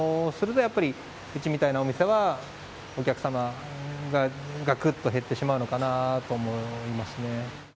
そうするとやっぱり、うちみたいなお店は、お客様ががくっと減ってしまうのかなと思いますね。